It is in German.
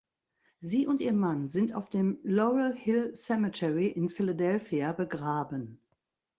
Sie und ihr Mann sind auf dem Laurel Hill Cemetery in Philadelphia begraben.